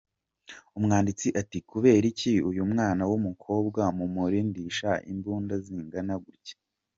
Umwanditsi ati : Kubera iki uyu mwana w’umukobwa mumurindisha imbunda zingana gutya ?.